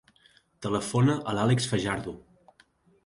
Telefona a l'Àlex Fajardo.